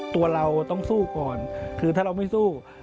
ตัวเราต้องสู้ก่อนคือถ้าเราไม่สู้